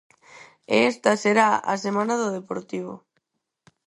E esta será a semana do Deportivo.